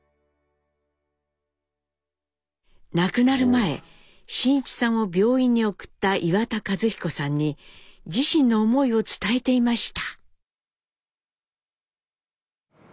亡くなる前真一さんを病院に送った岩田和彦さんに自身の思いを伝えていました。